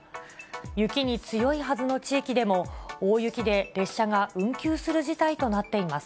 雪に強いはずの地域でも、大雪で列車が運休する事態となっています。